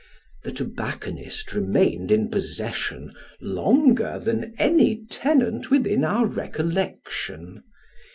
The tobacconist remained in possession longer than any tenant within our recollection.